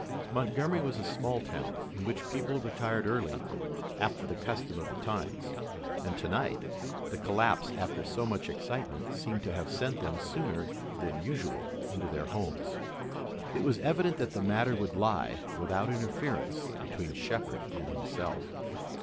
Montgomery was a small town, in which people retired early after the custom of the times, and tonight, the collapse after so much excitement seemed to have sent them sooner than usual into their homes. It was evident that the matter would lie without interference between Shepard and himself.